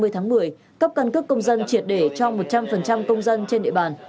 tháng một mươi cấp căn cước công dân triệt để cho một trăm linh công dân trên địa bàn